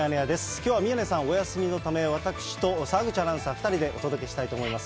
きょうは宮根さん、お休みのため、私と澤口アナウンサー、２人でお届けしたいと思います。